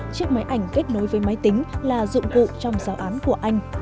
chiếc máy ảnh kết nối với máy tính là dụng cụ trong giáo án của anh